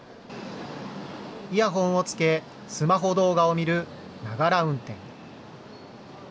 イヤホンをつけ、スマホ動画を見るながら運転。